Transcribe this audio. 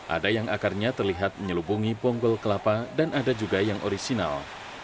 ada yang akarnya terlihat menyelubungi bonggol kelapa dan ada juga yang orisinal